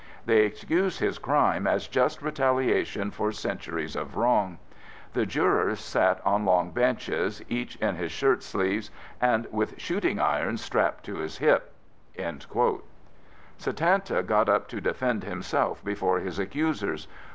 They excused his crime as just retaliation for centuries of wrong. The jurors sat on long benches, each in his shirt sleeves and with shooting irons strapped to his hip." Satanta got up to defend himself before his accusers.